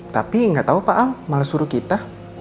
tapi nggak tahu pak al malah suruh kita